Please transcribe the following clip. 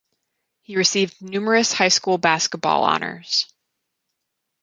He received numerous high school basketball honors.